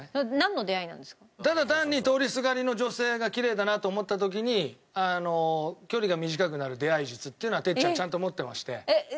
ただ単に通りすがりの女性がきれいだなと思った時に距離が短くなる出会い術っていうのは哲ちゃんちゃんと持ってまして。